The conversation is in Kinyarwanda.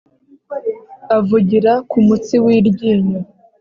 Avugira ku mutsi w'iryinyo